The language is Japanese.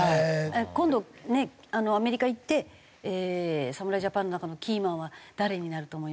今度ねアメリカ行って侍ジャパンの中のキーマンは誰になると思いますか？